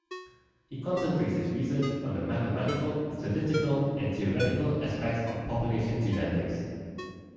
He concentrates his research on the mathematical, statistical and theoretical aspects of population genetics.